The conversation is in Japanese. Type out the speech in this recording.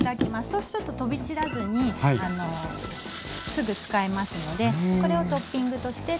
そうすると飛び散らずにすぐ使えますのでこれをトッピングとして使いますね。